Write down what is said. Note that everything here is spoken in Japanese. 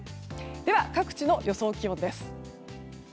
では各地の予想気温です。